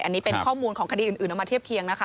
อันนี้เป็นข้อมูลของคดีอื่นเอามาเทียบเคียงนะคะ